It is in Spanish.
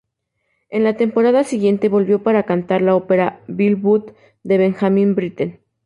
En la temporada siguiente volvió para cantar la ópera "Billy Budd" de Benjamin Britten.